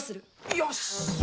よし！